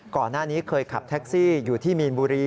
ก่อนหน้านี้เคยขับแท็กซี่อยู่ที่มีนบุรี